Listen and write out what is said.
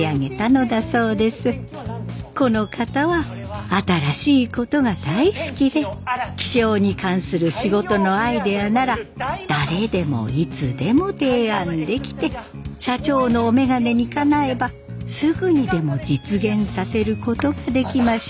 この方は新しいことが大好きで気象に関する仕事のアイデアなら誰でもいつでも提案できて社長のお眼鏡にかなえばすぐにでも実現させることができました。